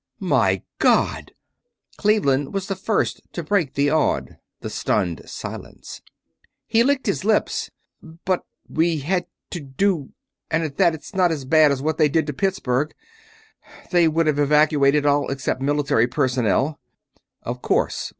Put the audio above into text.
"MY ... GOD!" Cleveland was the first to break the awed, the stunned, silence. He licked his lips. "But we had it to do ... and at that, it's not as bad as what they did to Pittsburgh they would have evacuated all except military personnel." "Of course